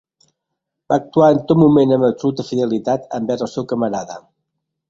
Va actuar en tot moment amb absoluta fidelitat envers el seu camarada.